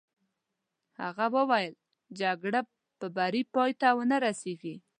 هغه وویل: جګړه په بري پای ته نه رسېږي.